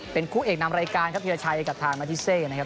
เป็นคู่เอกนำรายการครับธีรชัยกับทางนาทิเซนะครับ